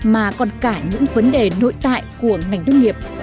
mà còn cả những vấn đề nội tại của ngành nông nghiệp